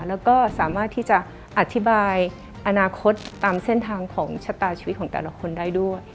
แล้วก็สามารถที่จะอธิบายอนาคตตามเส้นทางของชะตาชีวิตของแต่ละคนได้ด้วย